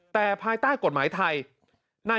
แต่ภายใต้กฎหมายไทย